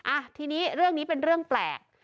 อ่ะทีนี้เรื่องนี้เป็นเรื่องแปลก